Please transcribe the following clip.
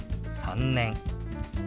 「３年」。